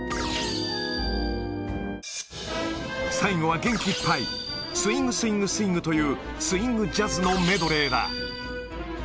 最後は元気いっぱい、スイング・スイング・スイングという、スイングジャズのメドレーだ。